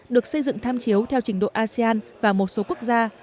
được xây dựng tham chiếu theo trình độ asean và một số quốc gia